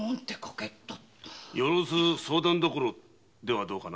・「よろづ相談処」ではどうかな。